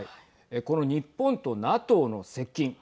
この日本とＮＡＴＯの接近。